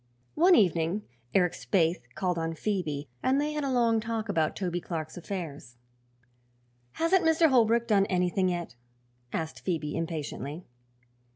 One evening Eric Spaythe called on Phoebe and they had a long talk about Toby Clark's affairs. "Hasn't Mr. Holbrook done anything yet?" asked Phoebe impatiently.